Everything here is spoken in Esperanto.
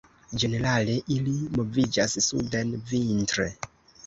Ĝenerale ili moviĝas suden vintre.